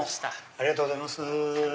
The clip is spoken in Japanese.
ありがとうございます。